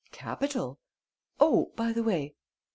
"Capital!... Oh, by the way...."